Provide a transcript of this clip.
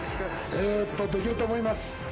えっと、できると思います。